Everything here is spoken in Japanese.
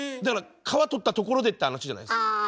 だから皮取ったところでって話じゃないですか。